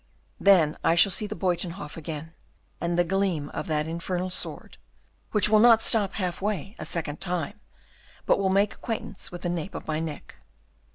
Then I shall see the Buytenhof again, and the gleam of that infernal sword, which will not stop half way a second time, but will make acquaintance with the nape of my neck.